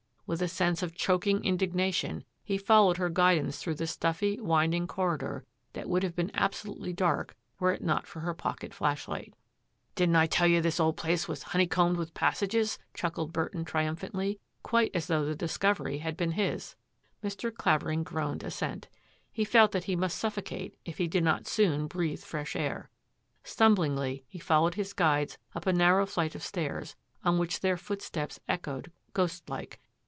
With a sense of chok ing indignation he followed her guidance through the stuffy, winding corridor that would have been absolutely dark were it not for her pocket flash light. " Didn't I tell you this old place was honey combed with passages? *' chuckled Burton trium phantly, quite as though the discovery had been his. Mr. Clavering groaned assent. He felt that he must suffocate if he did not soon breathe fresh air. Stumblingly, he followed his guides up a narrow flight of stairs, on which their footsteps echoed ghostlike.